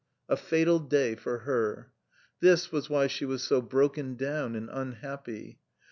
A fatal day for her ! This was why she was so i broken down and unhappy.